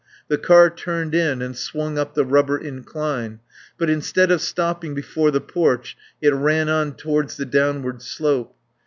The car turned in and swung up the rubber incline, but instead of stopping before the porch it ran on towards the downward slope.